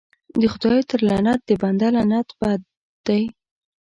د خداى تر لعنت د بنده لعنت بد دى.